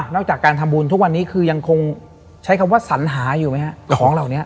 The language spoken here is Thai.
จากการทำบุญทุกวันนี้คือยังคงใช้คำว่าสัญหาอยู่ไหมฮะของเหล่านี้